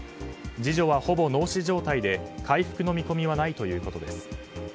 次女はほぼ脳死状態で回復の見込みはないということです。